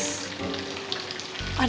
adriana tuh pernah bantuin aku loh